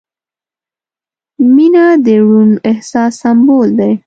• مینه د روڼ احساس سمبول دی.